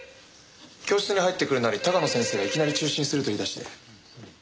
教室に入ってくるなり高野先生がいきなり中止にすると言い出して。